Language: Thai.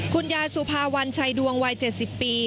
คุณยายสุภาวันชัยดวงวัย๗๐ปี